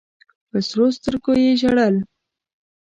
په سرو سترګو یې ژړل.